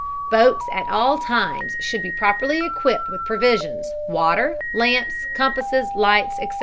Boats at all times should be properly equipped with provisions, water, lamps, compasses, lights, etc.